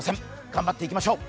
頑張っていきましょう。